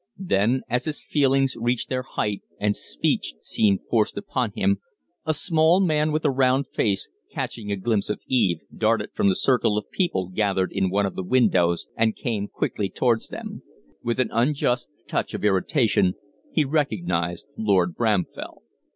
Then, as his feelings reached their height and speech seemed forced upon him, a small man with a round face, catching a glimpse of Eve, darted from a circle of people gathered in one of the windows and came quickly towards them. With an unjust touch of irritation he recognized Lord Bramfell.